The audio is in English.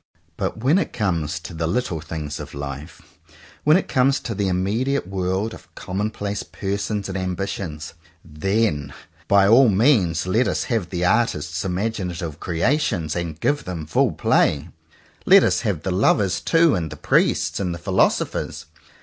But when it comes to the "little things of life;" when it comes to the immediate world of commonplace persons and ambi tions, then, by all means let us have the 80 JOHN COWPER POWYS artist's imaginative creations, and give them full play! Let us have the lover's, too; and the priest's, and the philosopher's.